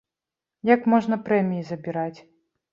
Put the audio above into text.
Як можна прэміі забіраць?